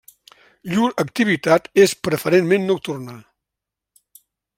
Llur activitat és preferentment nocturna.